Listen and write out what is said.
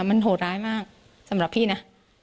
มันโหดร้ายมากสำหรับพี่นะ